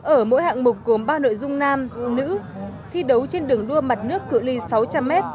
ở mỗi hạng mục gồm ba nội dung nam nữ thi đấu trên đường đua mặt nước cự li sáu trăm linh m